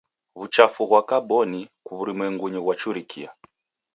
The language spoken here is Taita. W'uchafu ghwa kaboni w'urumwengunyi ghwachurikie.